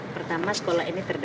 pertama sekolah ini terdapat